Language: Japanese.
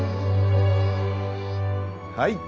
はい。